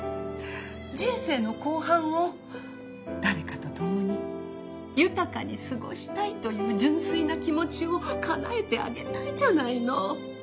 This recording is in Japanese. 人生の後半を誰かと共に豊かに過ごしたいという純粋な気持ちをかなえてあげたいじゃないの。